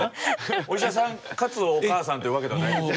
お医者さんかつお母さんというわけではないんですよ。